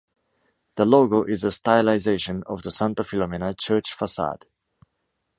The logo is a stylization of the Santa Filomena Church facade.